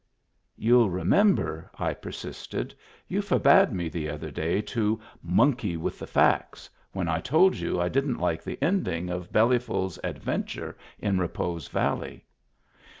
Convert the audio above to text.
"Youll remember," I persisted, "you forbade me the other day to 'monkey with the facts,' when I told you I didn't like the ending of Belly ful's adventure in Repose Valley."